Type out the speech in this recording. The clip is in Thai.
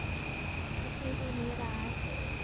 คิดมิดีมิร้าย